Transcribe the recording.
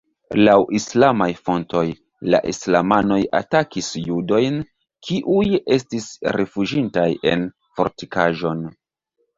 Laŭ islamaj fontoj, la islamanoj atakis judojn kiuj estis rifuĝintaj en fortikaĵon.